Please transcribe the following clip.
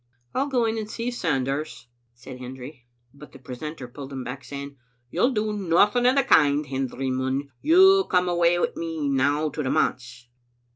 "I'll go in and see Sanders," said Hendry, but the precentor pulled him back, saying, " You'll do nothing o' the kind, Hendry Munn; you'll come awa wi' me now to the manse."